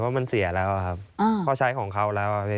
เพราะมันเสียแล้วครับ